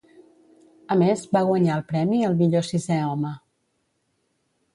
A més, va guanyar el premi al Millor Sisè Home.